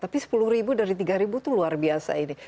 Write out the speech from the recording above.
tapi sepuluh ribu dari tiga ribu itu luar biasa ini